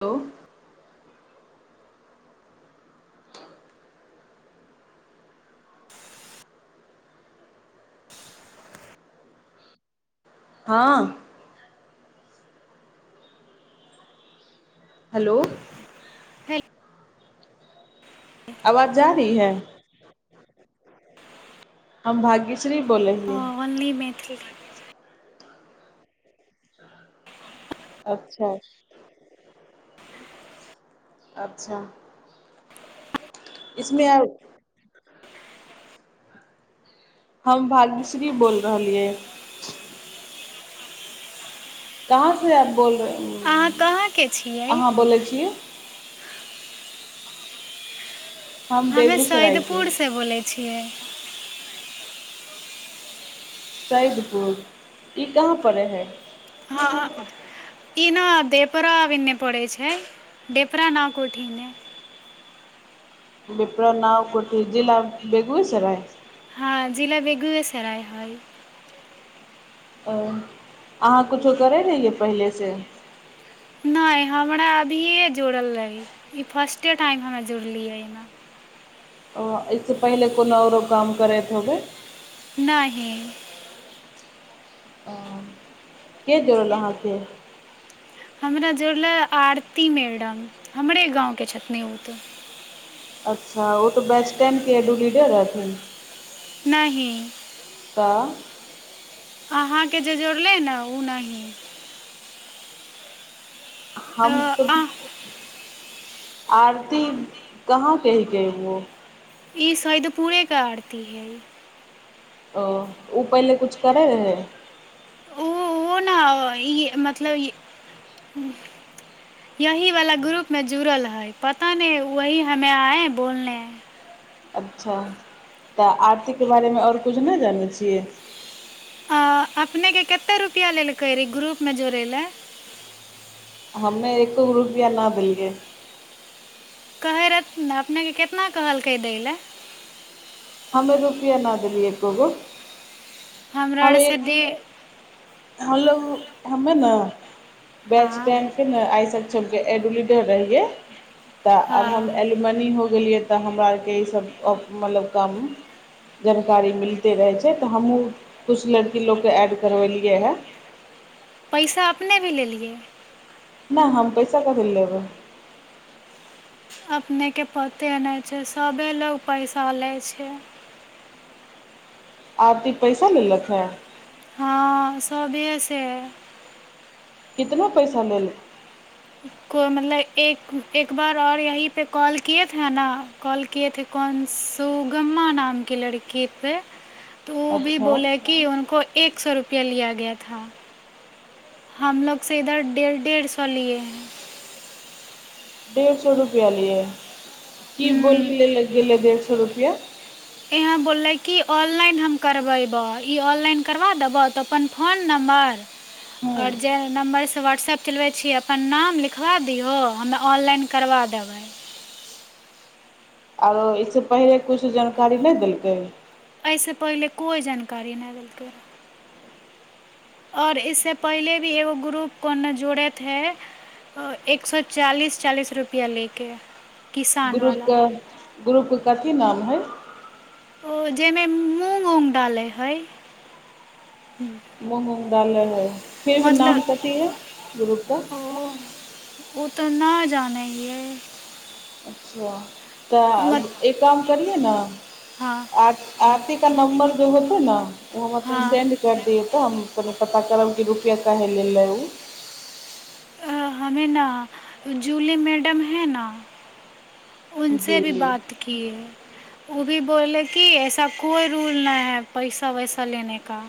दो [inaudible] हँ हेलो ह [unintelligible] आवाज जा री है हम भाग्य सी बोलै हियए ठीक अच्छा अच्छा इसमे आ हम भाग्यश्री बोल रहलियै कहाँ से आप बोल रहे अहाँ उम्म, कहाँके छियै अहाँ बोलै छियै हम हमे बेगूसरायके सैदपुरसँ बोलै छियै सैदपुर ई कहाँ पड़ै हइ ईना देडपरा आ नहि पड़े छै दडपरा न कोठी बिप्र न कोठी जिलिला भगूै सरय हँ जिला बेगुएसराय हय ओ अहाँ किछो करैत रहियै पहिलेसँ नहि हमरा अभिये जुड़ल रहै ई फर्स्टे टाइम हमे जुड़लियै एहिमे। एहिसँ पहिले कोनो आओरो काम करैत होबै। नहि। आ। के जोड़ अहाँके। हमरा जुड़लै आरती मैडम हमरे गाँवके छथिन ओ तऽ। अच्छा ओ तऽ बैच टेन के एडू लीडर रहथिन। नहि। वाह। अहाँके जे जोड़लै ने ओ नहि। अ, हम तऽ। आह, आरती। कहाँ कहहि गए वो। ई सैदपुरे क आरती है। ओ ओ पहिले किछु करै रहै। ओ ओ ने मतलब यही वालला ग्रुप मे जुड़ल है पता नहि वह हमे आए बोलने ह। अच्छा तऽ आरती के बारे मे ओर किछु नहि जानै छियै। आ अपनेके कतेक रुपैआ लेलकै रही ग्रुपमे जोड़य लए। हमे एको गो रुपैआ न देलियै। कहै रहथि ने अपनेकेँ कितना कहलकै दै लए। हमे रुपैआ न देलियै एको गो। हमरा हम आरसँ दे हलो हमे ने हँ बैच टम प आइ। सबके एडलिडर रहियए। तऽ हँ आब हम एलमनी हो गेलियै। तऽ हमरा आरके ईस मतलब। कम जानकारी मिलिते रहै छै तऽ हमहूँ किछु लड़की लोककेँ ऐड करबेलियै हँ। पैसा अपने भी लेलियै। न हम पैसा कथी लेबै। अपनेके पते नहि छै सभे लोक पैसा लै छै। आपके पैसा लेलक हे। हँ सबे से। कितना पैसा लेल। कोइ मतलब एक एक बार आओर यही पे कॉल किए थे ने कॉल किएथे कन सुगमा नामके लड़की पे। त ओ भी अच्छा बोल कि उनको एक सौ रुपआ लिया गया था। हमलोग से इधर डेढ़ डेढ़ सौ लए हैं। डेढ़ सौ रुपआ लिए। की बो हम्म, ल गेलै दे। के रुपैआ। यहाँ बोललै कि ऑनलाइन हम करबयबह ई ऑनलाइन करबा देबह तऽ अपन फोन नम्बर। हूँ आओर जे नम्बरसँ व्ाट्सऐप चलबै छियै अपन नाम लिखवा दिौ हमे ऑनलाइन करवा देबै आरो इसँ पहिले किछु जानकारी नहि देलकै एहिऐसे पहिले कोइ जानकारी नहि देलकै और इसस पहिले भी एगो ग्रुप को ने जोड़े हे एक सए चालीस चालीस रुपआ लेके किसानवला ग्रुपके ग्रुपके कथी नाम हइ जाहिमे मूंग उऊग डालै है ह्म मूँग उंग डालै हइ फे नाम कथी है गुरु का ओ ओ तऽ नहि जानै यै सआ तऽ एक काम करियै ने हँ आती आरतीेा नम्बर जे होतै ने ओ हम तनि सेंड हँ करि दियै तऽ हम कनि पता करब कि रुपैआ काहे लेले ले ओ हमे ने जूली मैडम है न उसँ भी जूली बात कए ओ भी बोले कि ऐसा कोइ रूल नहि है पैसा वैसा लेने का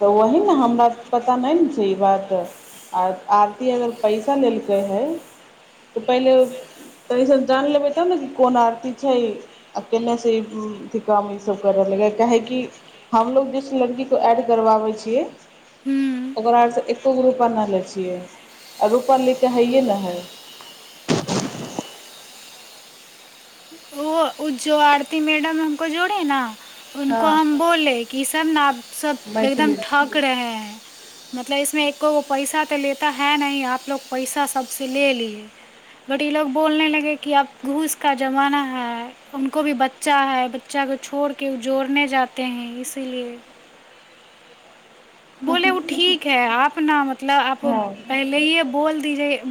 तऽ वही ने हमरा पता नहि ने क क क करबाबै छियै हू बोरा आरसँ एको गो रुपैआ ल लै छियै आ रुपैा लिकेऽ हइए नहि हइ ओ ओज्जो आरती मैडम हमको जोड़े न हँ उनको हम बोले कि ई सब ने आप सब एकदम मैथिली ठक रहे हैं मतलब इसमे एकोगो पैसा तऽ लेता है नह आपलोग पैसा सबसँ ले लियए बट ई लोग बोलने लगे कि अब घूस का ज़माना है। उको भ बच बच्चा है बच्चा को छोड़ के जोड़ने जाते है इस। पसलए बोले ओ ठीक है आप न मतलब आप हँ पहले ह बोल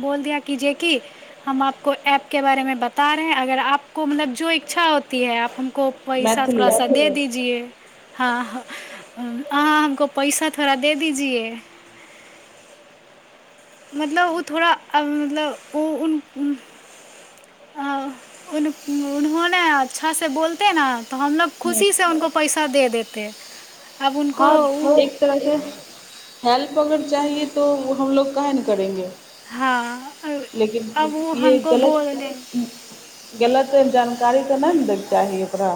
बोल दिया कि जेेकी हम आपको प के बारेमे बता रहेै अगर आपको मतलब जो इच्छा होती है आ हम को पैसा मैथिली थोड़ा सा दे दीजिए हँ ह आ ग पैसा थोड़ा दे दीजए मतलब ओ थोड़ा मतलब ओ उु उुन ओहोने अच्छासँ बोलतै ने तऽ हमलोग हँ खुशी से उनको पैसा दे देतै हँ एक तरहसँ हेल्प अगर चाहिए त तो हमलोग कय ने करेंगे हाँ लेकिन अब वो य हमको गलत बोल रहे गलत जानकार गी तऽ नहि नेै चाही ओकरा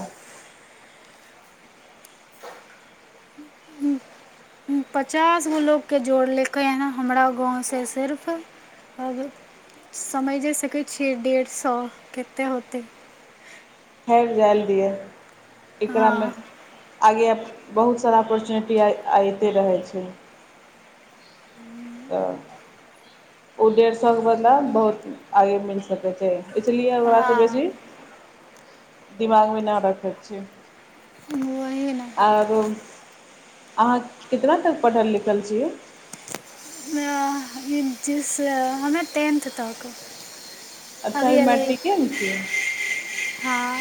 पचास गो लोकोगके जोड़ लेलकै हन हमरा गाँव से सिर्फ आर समझ सकै छियै डेढ़ सए कतेक होतै फेर जा ल दियै हँ एकरामे आगे बहुत सारा ऑर्चुनिटी आइते रहै छै हँ ओ डेढ़ सए के बदला बहुत आगे मिल सकै छै इसलिए ओकरासँ बेसी हँ दिमागमे न रखै छै वही ने आरो अहाँ कितना तक पढ़ल लिखल छियै जसे हमे टेन्थ तक अच्छा अभी मैट्रिके नसियै हँ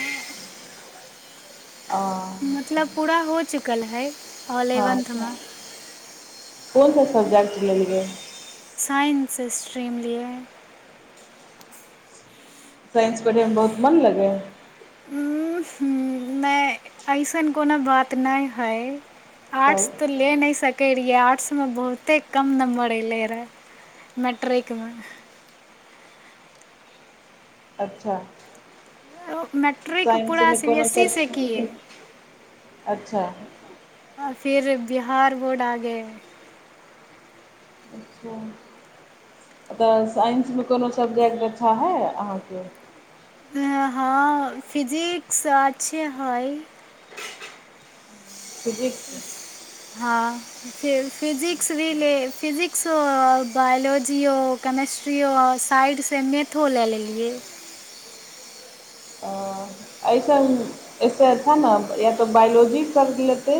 ख ब च रह ख रह हँ ख ख कोन सा सब्जेक्ट लेलियै सेस्ट्रीम लिए साइंस पढ़यमे बहुत मोन लगै हइ नहि अइसन कोनो बात नहि हइ तब आर्ट्स तऽ ले न सकै रहिऐ आर्ट मे बहुते कम न मड़ल रह मटरकेमे अच्छा ओ मैट्रिक पूरा साइंसमे सी बी कोनो एस ई सब से क अच्छा आ फिर बिहार बोर्ड आगे अच्छा तऽ साइंसमे कोनो सब्जेक्ट अच्छा हइ अहाँके हँ फिजिक्स अच्छे हय फिजिक्स हँ फेर फिजिक्स भी ले फिजिक्सो बायोलॉजीओ केमेस्ट्रीओ साइंससँ मैथो लए लेलियै ह अइसन से अच्छा ने या तऽ बायोलॉजी कर लेतै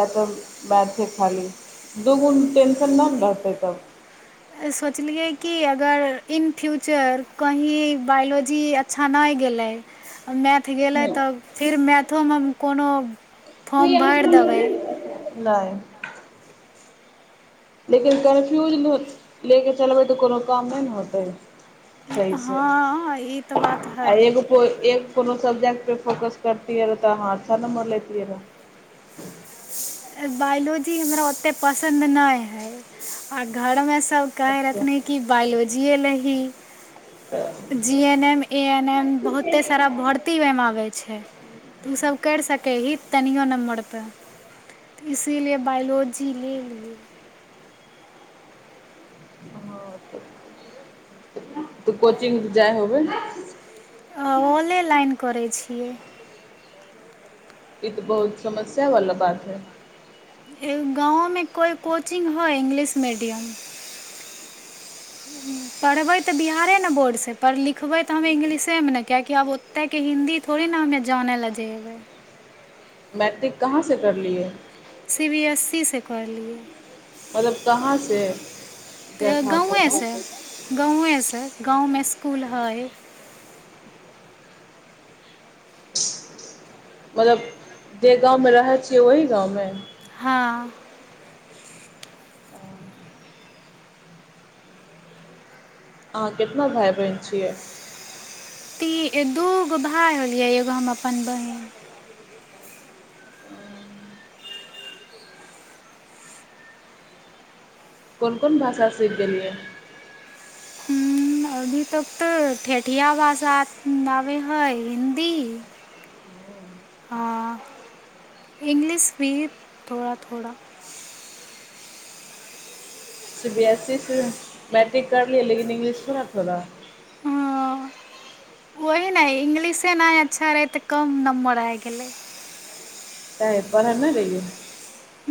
या तऽ मैथे खाली दूगुण टेंशन नहि ने रहतै तब सोचलियै कि अगर इन फ्यूचर कहीँ बायोलॉजी अच्छा नहि गेलै मैथ गेलै तब फिर मैथोमे कोनो फॉर्म भरि देबै त लेकिन कन्फ्यूज ले के चलबै तऽ कोनो काम नहि ने होतै सहीसँ हँ ई तऽ बात हइ सब्ै त लियै रह बायोलॉजी हमरा ओते पसन्द नहि है आ घर मे सब कहे रहथिन रहए कि बायोलॉजी एलही G N M A N M बहुते सारा भर्ती ओहिमे आबै छै तऽ ओस करि सकैही तनो नम्बरपर तऽ इसीलिए बायोलॉजी ले लियी हँ तऽ तऽ कोचिंग जाइ होब ऑनेेलाइन करै छियै ई तऽ बहुत समस्या वाला बात है गाँवमे कोइ कोचिंग होइ इंग्लिश मीडियम पढ़बै तऽ बिहारे ने बोर्ड से पढ़ लिख सिखबै तऽ हम इंग्लिशेमे ने किियकि आब ओतेक के हिन्दी थोड़े ने हमे जानै लए जेबै कहाँसँ करलियै सी बी एस ई सँ करलियै मतलब कहाँ से तऽ जगह कोनो गाँवएसँ गाँएसँ गाँवमे इसकुल हइ मतलब जे गाँवमे रहै छियै ओही गाँवमे हँ अहाँ कितना भााय बहिन छियै ती दू गो भााय होलियै एगो हम अपन बहीन कोन कोन भाषा सीख गेलियै ह अभी तक तऽ ठेठिया भाषा नाबै हइ हिन्दी हँ इंगलिश भ थोड़ा थोड़ा सी बी एस ई से मैट्रिक करलियै लेकिन इंग्लिश को ने थोड़ा हँ ओही नहि इंग्लिशे नहि अच्छा रहै तऽ कम नम्बर आय गेलै आ एपना रै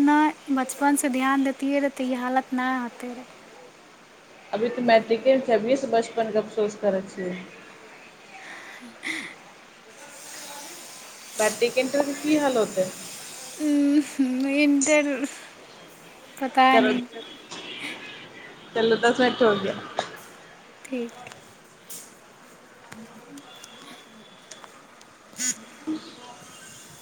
नहि बचपनसँ ध्यान देैतियै रहए तऽ ई हालत नहि होतै रहए अभी तऽ मैट्रिके छै अभियए से बचपन क अफसोस करै छियै बैट्ररी कन्टर के की हाल होतै इंटर पता न चलू दस मठ होग ठीक ह ह [unintelligible]